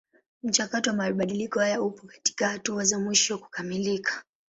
Mchakato wa mabadiliko haya upo katika hatua za mwisho kukamilika.